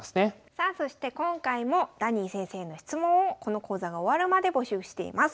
さあそして今回もダニー先生への質問をこの講座が終わるまで募集しています。